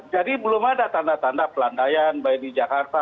jadi belum ada tanda tanda pelandaian baik di jakarta